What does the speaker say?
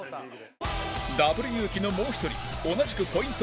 Ｗユウキの、もう１人同じくポイント